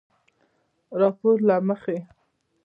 راپورله مخې